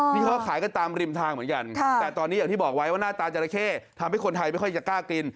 นี่เขาขายกันตามริมทางเหมือนกันแต่ตอนนี้อย่างที่บอกไว้ว่าหน้าตาจราเข้ทำให้คนไทยไม่ค่อยจะกล้ากิน